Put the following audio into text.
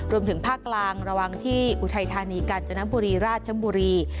รวมถึงภาคกลางระวังที่อุทัยธานีกาญจนบุรีราชบุรี